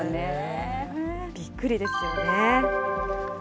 びっくりですよね。